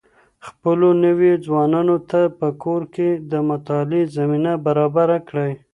خپلو نويو ځوانانو ته په کور کي د مطالعې زمينه برابره کړئ.